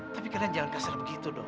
tapi kita jangan kasar begitu dong